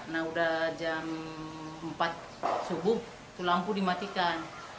nah udah jam empat subuh tulangku dimatikan